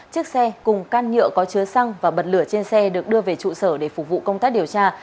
chiếc xe cùng can nhựa có chứa xăng và bật lửa trên xe được đưa về trụ sở để phục vụ công tác điều tra